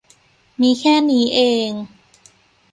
มีแค่นี้เอง